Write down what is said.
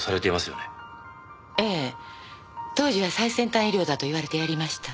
ええ当時は最先端医療だと言われてやりました。